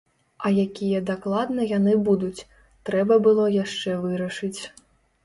А якія дакладна яны будуць, трэба было яшчэ вырашыць.